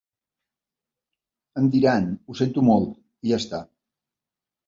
Em diran “ho sento molt” i ja està.